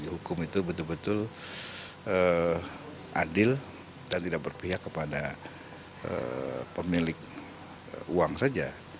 hukum itu betul betul adil dan tidak berpihak kepada pemilik uang saja